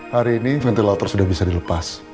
hari ini ventilator sudah bisa dilepas